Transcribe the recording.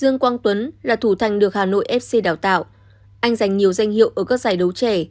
dương quang tuấn là thủ thành được hà nội fc đào tạo anh giành nhiều danh hiệu ở các giải đấu trẻ